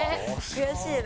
悔しいな。